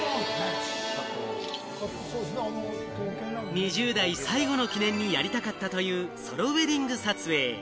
２０代最後の記念にやりたかったという、ソロウエディング撮影。